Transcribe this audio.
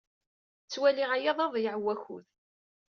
Ttwaliɣ aya d aḍeyyeɛ n wakud.